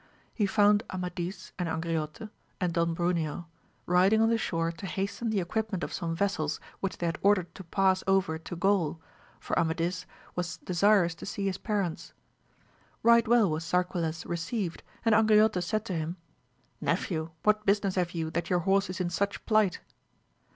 He found Amadis, and Angriote, and Don Bruneo, riding on the shore to hasten the equipment of some vessels which they had ordered to pass over to Gaul, for Amadis was desirous to see his parents. Right well was Sarquiles received, and Angriote said to him. Nephew, what business have you that your horse is in such plight?